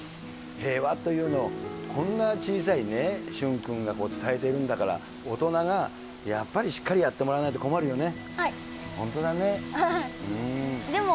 平和というのを、こんな小さいね、駿君が伝えているんだから、大人がやっぱりしっかりやってもらわないと困るよね。